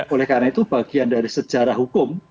oleh karena itu bagian dari sejarah hukum